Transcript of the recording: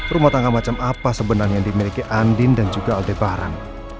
rumah tangga macam apa sebenarnya yang dimiliki andin dan juga aldebaran